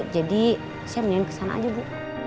jadi saya pindahin ke sana aja bu